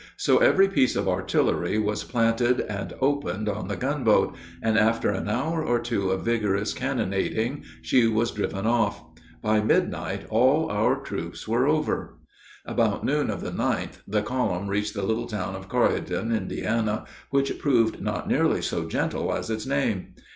So every piece of artillery was planted and opened on the gunboat, and after an hour or two of vigorous cannonading she was driven off. By midnight all our troops were over. About noon of the 9th the column reached the little town of Corydon, Indiana, which proved not nearly so gentle as its name.